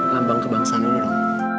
lambang kebangsaan dulu dong